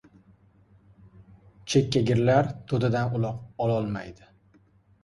Chekkagirlar to‘dadan uloq ololmaydi.